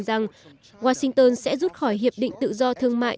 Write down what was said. rằng washington sẽ rút khỏi hiệp định tự do thương mại